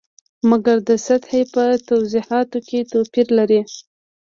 مګر د سطحې په توضیحاتو کې توپیر لري.